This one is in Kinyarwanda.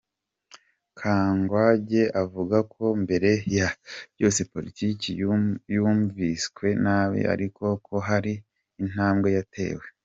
Kangwagye avuga ko mbere ya byose politiki yumviswe nabi ariko ko hari intambwe yatewe.